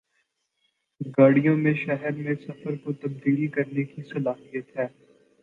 گاڑیوں میں شہر میں سفر کو تبدیل کرنے کی صلاحیت ہے